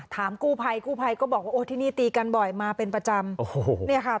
ถามกู้ภัยกู้ภัยก็บอกว่าที่นี่ตีกันบ่อยมาเป็นประจำ